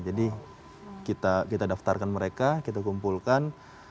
jadi kita daftarkan mereka kita kumpulkan